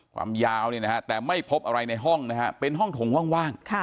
ความยาวเนี่ยนะฮะแต่ไม่พบอะไรในห้องนะฮะเป็นห้องถงว่าง